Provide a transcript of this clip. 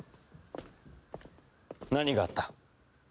何があった？